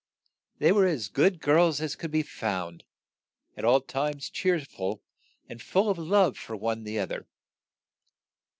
They were as good girls as could be found, at all times cheer ful, and full of love one for the oth er.